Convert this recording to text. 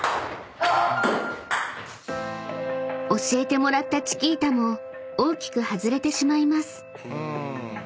［教えてもらったチキータも大きく外れてしまいます］